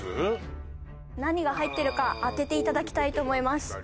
何が入ってるか当てていただきたいと思います